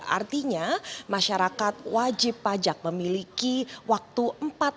artinya masyarakat wajib pajak memiliki waktu empat jam